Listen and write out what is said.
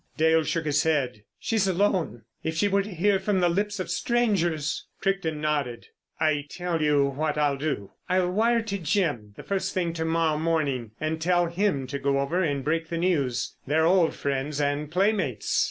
Dale shook his head: "She's alone. If she were to hear from the lips of strangers——" Crichton nodded. "I tell you what I'll do; I'll wire to Jim the first thing to morrow morning and tell him to go over and break the news. They're old friends and playmates.